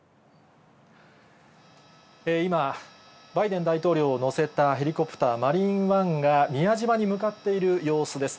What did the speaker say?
今、バイデン大統領を乗せたヘリコプター、マリーンワンが宮島に向かっている様子です。